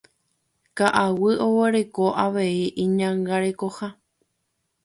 Ka'aguy oguereko avei iñangarekoha.